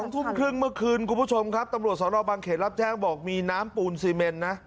ทุ่มครึ่งเมื่อคืนคุณผู้ชมครับตำรวจสนบางเขตรับแจ้งบอกมีน้ำปูนซีเมนนะ